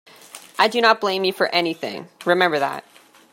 I do not blame you for anything; remember that.